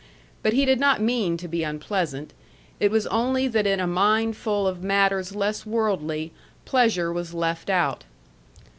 But he did not mean to be unpleasant; it was only that in a mind full of matters less worldly, pleasure was left out.